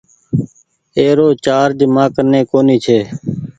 ايرو چآرج مآ ڪني ڪونيٚ ڇي۔